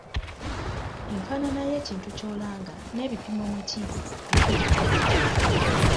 Enfaanana y'ekintu ky'olanga n'ebipimo mwe kiri bikulu nnyo.